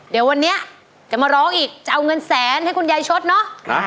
เดี๋ยววันนี้จะมาร้องอีกจะเอาเงินแสนให้คุณยายชดเนาะ